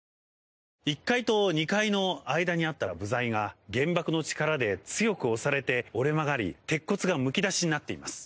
１階と２階の間にあった部材が、原爆の力で強く押されて折れ曲がり鉄骨がむき出しになっています。